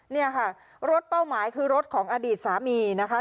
เนี่ยค่ะรถเป้าหมายคือรถของอดีตสามีนะคะ